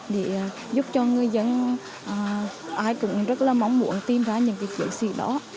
để giúp cho người dân ai cũng rất là mong muốn tìm ra những chiến sĩ đó